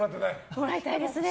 もらいたいですね。